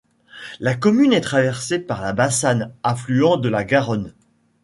La commune est traversée par la Bassanne affluent de la Garonne.